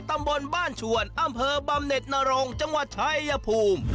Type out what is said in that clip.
ตำบลบ้านชวนอำเภอบำเน็ตนรงจังหวัดชายภูมิ